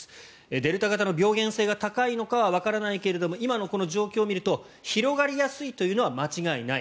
デルタ型の病原性が高いのかはわからないけど今のこの状況を見ると広がりやすいというのは間違いない。